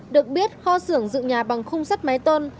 được biết kho xưởng dự nhà bằng khung sắt máy tôn